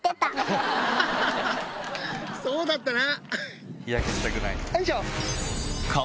そうだったな！